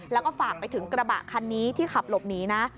แล้วก็ฝากไปถึงกระบะคันนี้ที่ขับหลบหนีนะ